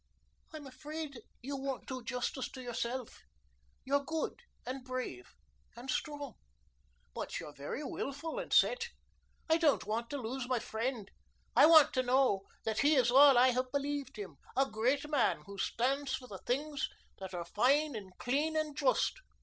"I'm afraid you won't do justice to yourself. You're good and brave and strong. But you're very willful and set. I don't want to lose my friend. I want to know that he is all I have believed him a great man who stands for the things that are fine and clean and just."